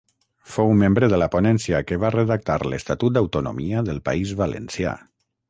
Fou membre de la ponència que va redactar l'estatut d'autonomia del País Valencià.